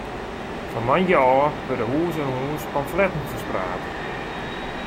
Fan moandei ôf wurde hûs oan hûs pamfletten ferspraat.